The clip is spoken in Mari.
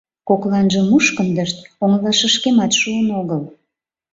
Кокланже мушкындышт оҥылашышкемат шуын огыл...